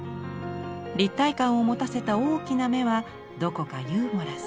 立体感をもたせた大きな目はどこかユーモラス。